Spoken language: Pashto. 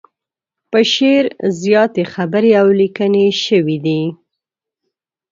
په شعر زياتې خبرې او ليکنې شوي دي.